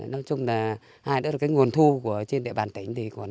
nói chung là hai đó là cái nguồn thu của trên địa bàn tỉnh thì còn ít